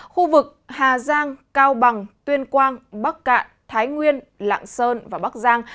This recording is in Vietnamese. khu vực hà giang cao bằng tuyên quang bắc cạn thái nguyên lạng sơn và bắc giang